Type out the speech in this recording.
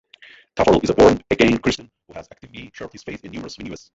Taffarel is a born-again Christian who has actively shared his faith in numerous venues.